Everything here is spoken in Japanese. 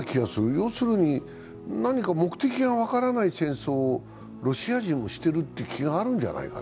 要するに何か目的が分からない戦争をロシア人もしているという気があるんじゃないかね。